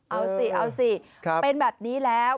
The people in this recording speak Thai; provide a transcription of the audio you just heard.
เอาสิเป็นแบบนี้แล้ว